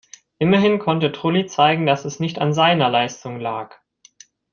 Immerhin konnte Trulli zeigen, dass es nicht an seiner Leistung lag.